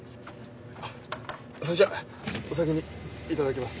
あっそれじゃあお先にいただきます。